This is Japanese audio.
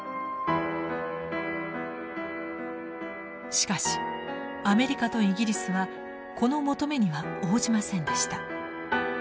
しかしアメリカとイギリスはこの求めには応じませんでした。